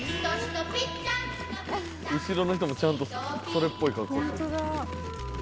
後ろの人もちゃんとそれっぽい格好してる。